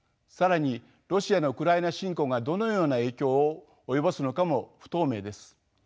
更にロシアのウクライナ侵攻がどのような影響を及ぼすのかも不透明です。